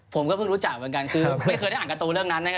ผมก็เพิ่งรู้จักเหมือนกันคือไม่เคยได้อ่านการ์ตูเรื่องนั้นนะครับ